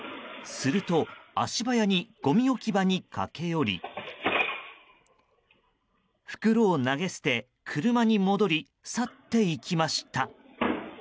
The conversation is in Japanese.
すると、足早にごみ置き場に駆け寄り袋を投げ捨て、車に戻り去っていきました。